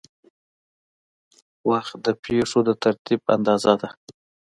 وخت د پېښو د ترتیب اندازه ده.